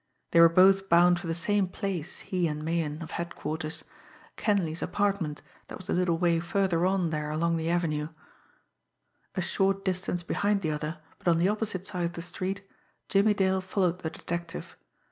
They were both bound for the same place, he and Meighan, of Headquarters Kenleigh's apartment, that was a little way further on there along the Avenue. A short distance behind the other, but on the opposite side of the street, Jimmie Dale followed the detective.